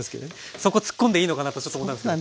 そこツッコんでいいのかなとちょっと思ったんですけど。